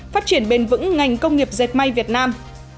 phát triển bền vững ngành công nghiệp dệt may việt nam